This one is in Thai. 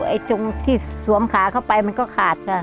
ไอ้ตรงที่สวมขาเข้าไปมันก็ขาดค่ะ